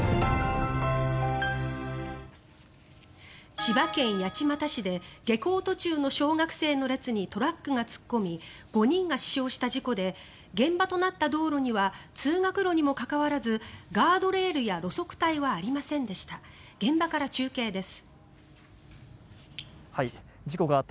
千葉県八街市で下校途中の小学生の列にトラックが突っ込み５人が死傷した事故で現場となった道路には通学路にもかかわらずガードレールや路側帯はありませんでした。